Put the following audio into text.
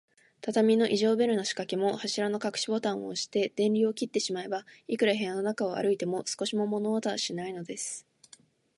畳の非常ベルのしかけも、柱のかくしボタンをおして、電流を切ってしまえば、いくら部屋の中を歩いても、少しも物音はしないのです。